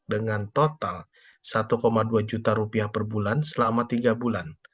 dengan total satu dua juta rupiah per bulan selama tiga bulan